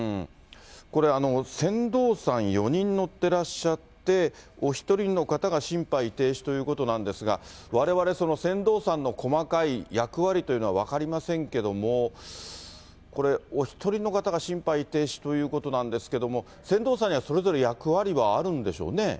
これ、船頭さん４人乗ってらっしゃって、お１人の方が心肺停止ということなんですが、われわれ、船頭さんの細かい役割というのは分かりませんけども、これ、お１人の方が心肺停止ということなんですけども、船頭さんにはそれぞれ役割はあるんでしょうね。